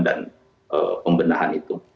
dan pembendahan itu